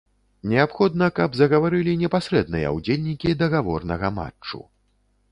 Неабходна, каб загаварылі непасрэдныя ўдзельнікі дагаворнага матчу.